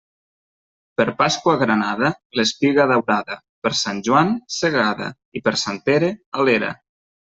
Per Pasqua granada, l'espiga daurada; per Sant Joan, segada, i per Sant Pere, a l'era.